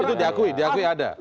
itu diakui ada